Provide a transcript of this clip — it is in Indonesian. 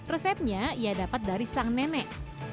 resepnya ia dapat dari sang nenek